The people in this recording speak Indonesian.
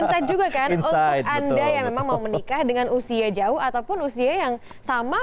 insight juga kan untuk anda yang memang mau menikah dengan usia jauh ataupun usia yang sama